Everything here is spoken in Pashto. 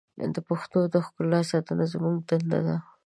د پښتو د ښکلا ساتنه زموږ دنده ده.